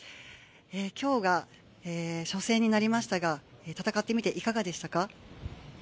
今日が、初戦になりましたが戦ってみていかがでしたか？